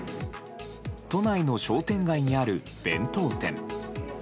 都内の商店街にある弁当店。